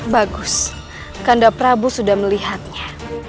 bagus karena prabu sudah melihatnya